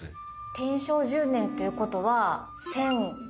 天正１０年という事は。